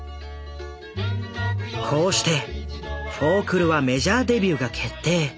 こうしてフォークルはメジャーデビューが決定。